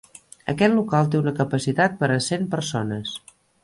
Aquest local té una capacitat per a cent persones.